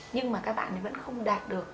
nhưng mà các bạn vẫn không đạt được cả